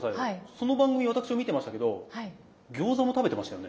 その番組私も見てましたけど餃子も食べてましたよね？